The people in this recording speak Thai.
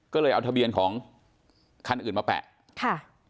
ก็เลยเอาทะเบียนของคันอื่นมาแปะค่ะ